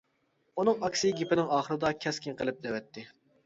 ئۇنىڭ ئاكىسى گېپىنىڭ ئاخىرىدا كەسكىن قىلىپ دەۋەتتى:!